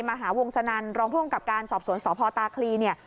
มหาวงสนันรองผู้กำกับการสอบสวนสพตาคลีเนี่ย